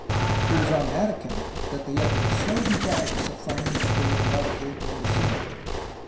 It was on that account that they had been so desirous of finding a strait above Cape Mendocino.